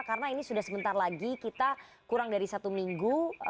karena ini sudah sebentar lagi kita kurang dari satu minggu